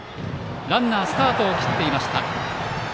ランナースタートを切っていました。